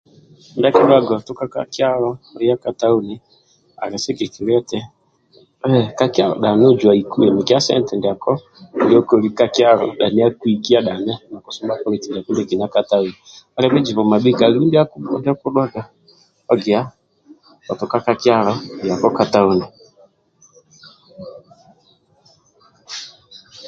Ndia akidhuwaga otuka ka kyalo yako ka tauni ali sigikilia eti ee ka kyalo dhani ojwaiku mikia sente ndiamo ndio okoli ka kyalo akwikia dhani nokusumba poloti ndiekina ka tauni, alibizibu mabhika andu ndia akidhuwaga otuka ka kyalo yako ka tauni